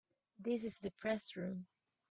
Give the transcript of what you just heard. This is the Press Room.